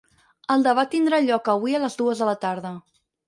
El debat tindrà lloc avui a les dues de la tarda.